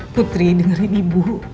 putri dengerin ibu